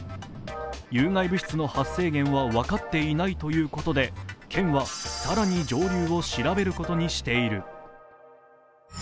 有害物質の発生源は分かっていないということで県は、更に上流を調べることにしている。